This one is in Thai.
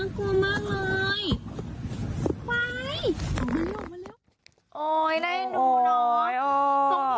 น่าให้ดูน้อง